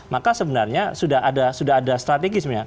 maka sebenarnya sudah ada strategi sebenarnya